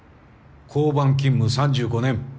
交番勤務３５年。